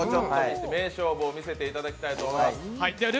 名勝負を見せていただきたいと思います。